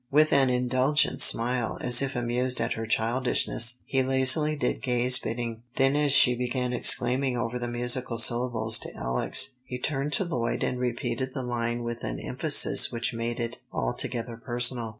With an indulgent smile, as if amused at her childishness, he lazily did Gay's bidding, then as she began exclaiming over the musical syllables to Alex, he turned to Lloyd and repeated the line with an emphasis which made it altogether personal.